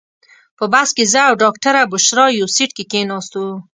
په بس کې زه او ډاکټره بشرا یو سیټ کې کېناستو.